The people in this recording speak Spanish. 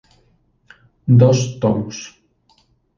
Dos tomos.